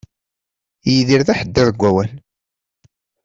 Yidir d aḥeddad n wawal.